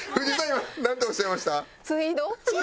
今なんておっしゃいました？